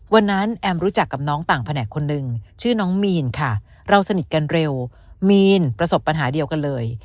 แอมรู้จักกับน้องต่างแผนกคนหนึ่งชื่อน้องมีนค่ะเราสนิทกันเร็วมีนประสบปัญหาเดียวกันเลย